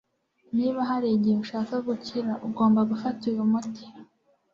Niba hari igihe ushaka gukira ugomba gufata uyu muti